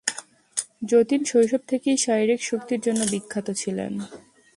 যতীন শৈশব থেকেই শারীরিক শক্তির জন্য বিখ্যাত ছিলেন।